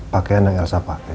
pakaian yang elsa pakai